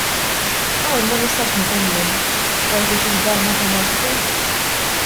Hawn ma nistax nifhem jien; forsi xi żball matematiku?